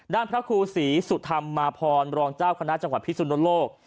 พระครูศรีสุธรรมมาพรบรองเจ้าคณะจังหวัดพิสุนโลก